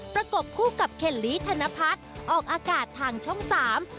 ประกบคู่กับเคลลี่ธนพัฒน์ออกอากาศทางช่องสาม